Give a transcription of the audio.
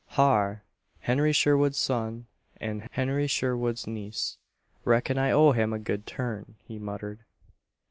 Har! Henry Sherwood's son and Henry Sherwood's niece. Reckon I owe him a good turn," he muttered.